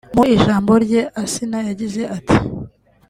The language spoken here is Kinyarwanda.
Mu ijambo rye Asinah ya gize ati